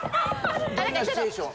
どんなシチュエーション。